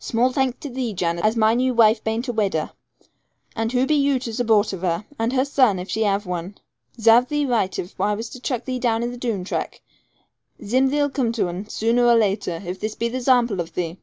'Small thanks to thee, Jan, as my new waife bain't a widder. And who be you to zupport of her, and her son, if she have one? Zarve thee right if I was to chuck thee down into the Doone track. Zim thee'll come to un, zooner or later, if this be the zample of thee.'